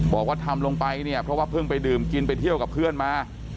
บอกว่าทำลงไปเนี่ยเพราะว่าเพิ่งไปดื่มกินไปเที่ยวกับเพื่อนมา